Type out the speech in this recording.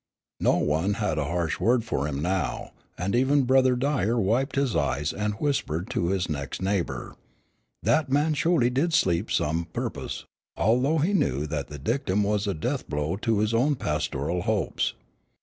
No one had a harsh word for him now, and even Brother Dyer wiped his eyes and whispered to his next neighbor, "Dat man sholy did sleep to some pu'pose," although he knew that the dictum was a deathblow to his own pastoral hopes.